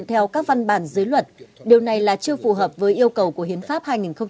theo các văn bản dưới luật điều này là chưa phù hợp với yêu cầu của hiến pháp hai nghìn một mươi ba